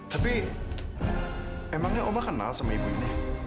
tapi emangnya oba kenal sama ibu ini